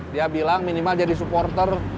dia bilang minimal jadi supporter